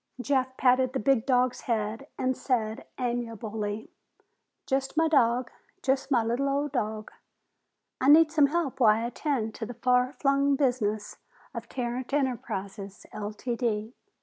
Jeff patted the big dog's head and said amiably, "Just my dog. Just my little old dog. I need some help while I attend to the far flung business of Tarrant Enterprises, Ltd."